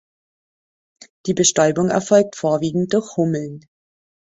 Die Bestäubung erfolgt vorwiegend durch Hummeln.